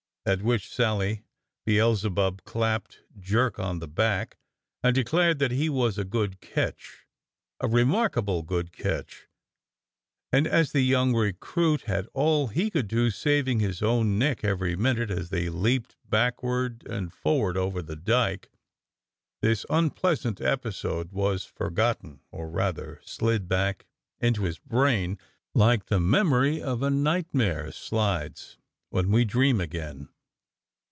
At which sally Beelzebub clapped Jerk on the back, and declared that he was a good Ketch, a remarkable good Ketch, and as the young recruit had all he could do saving his own neck every minute as they leaped backward and forward over the dyke, this unpleasant episode was forgotten, or, rather, slid back into his brain like the memory of a nightmare slides when we dream again.